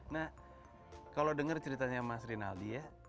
nah kalau dengar ceritanya mas rinaldi ya